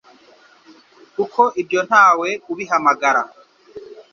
kuko ibyo ntawe ubihamagara